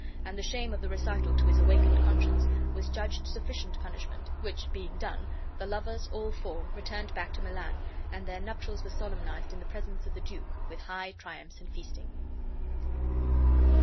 And the shame of the recital to his awakened conscience was judged sufficient punishment; which being done, the lovers, all four, returned back to Milan, and their nuptials were solemnized in the presence of the duke, with high triumphs and feasting.